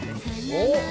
おっ！